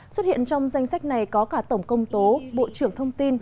xuất hiện trong danh sách này có cả tổng công tố bộ trưởng thông tin